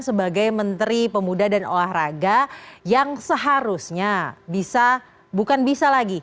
sebagai menteri pemuda dan olahraga yang seharusnya bisa bukan bisa lagi